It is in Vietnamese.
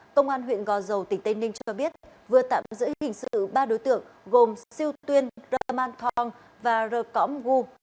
công an huyện gò dầu tỉnh tây ninh cho biết vừa tạm giữ hình sự ba đối tượng gồm siêu tuyên raman thong và r kom gu